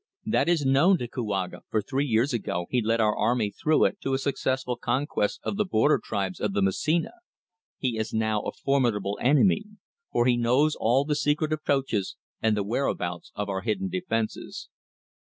"That is known to Kouaga, for three years ago he led our army through it to the successful conquest of the border tribes of the Massina. He is now a formidable enemy, for he knows all the secret approaches and the whereabouts of our hidden defences."